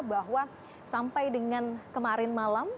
bahwa sampai dengan kemarin malam